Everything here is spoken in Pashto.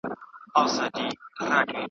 دوه شعرونه لیدلي دي